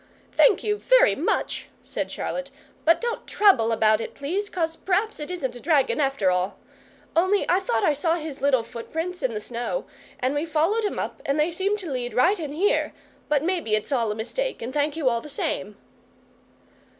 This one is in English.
"Thank you very much," said Charlotte, "but don't TROUBLE about it, please, 'cos p'raps it isn't a dragon after all. Only I thought I saw his little footprints in the snow, and we followed 'em up, and they seemed to lead right in here, but maybe it's all a mistake, and thank you all the same."